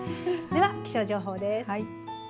では、気象情報です。